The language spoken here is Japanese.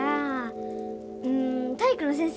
うん体育の先生？